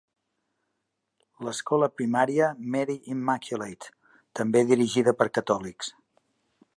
L'escola primària Mary Immaculate, també dirigida per catòlics.